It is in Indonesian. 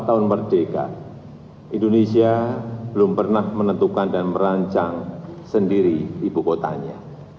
tujuh puluh empat tahun merdeka indonesia belum pernah menentukan dan merancang sendiri ibu kotanya